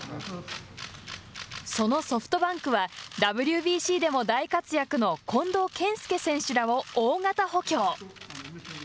そのソフトバンクはＷＢＣでも大活躍の近藤健介選手らを大型補強。